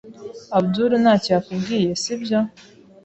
Abdul ntacyo yakubwiye, sibyo?